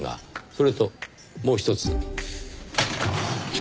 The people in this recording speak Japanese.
それともうひとつ。